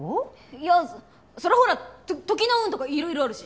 いやそれはほらと時の運とかいろいろあるし。